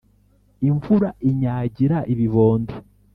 imvura inyagira ibibondo